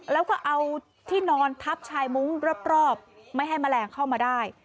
แล้วก็เอาที่นอนทับชายมุ้งรอบไม่ให้แมลงเข้ามาได้